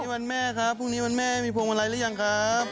วันแม่ครับพรุ่งนี้วันแม่มีพวงมาลัยหรือยังครับ